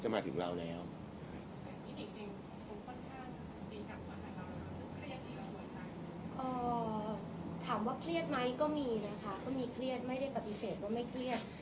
ถามว่าเครียดไหมก็มีนะคะก็มีเครียดไม่ได้ปฏิเสธว่าไม่เครียด